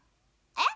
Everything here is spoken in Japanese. えっ！